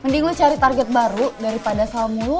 mending lu cari target baru daripada salmulu